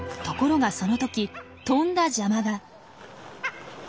ところがその時とんだ邪魔が。